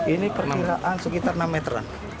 ini perkiraan sekitar enam meteran